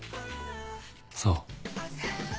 そう。